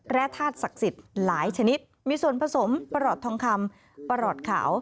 และธาตุศักดิ์สิทธิ์หลายชนิดมีส่วนผสมประหลอดทองคำประหลอดขาว